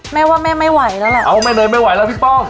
แม่ว่าแม่ไม่ไหวแล้วแหละเอาแม่เนยไม่ไหวแล้วพี่ป้อง